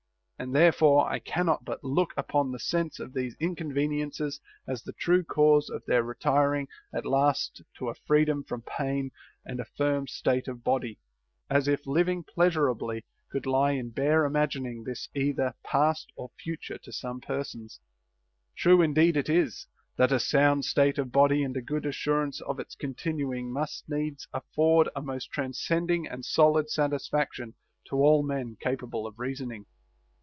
And therefore I cannot but look upon the sense of these inconveniences as the true cause of their retiring at last to a freedom from pain and a firm state of body ; as if living pleasurably could lie in bare imagining this either past or future to some persons. True indeed it is, " that a sound state of body and a good assurance of its continuing must needs afford a most transcending and solid satisfaction to all men capable of reasoning."